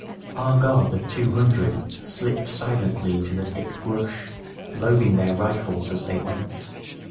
Our guard of two hundred slipped silently into the thick brush, loading their rifles as they went.